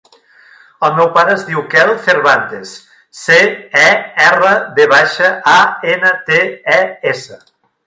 El meu pare es diu Quel Cervantes: ce, e, erra, ve baixa, a, ena, te, e, essa.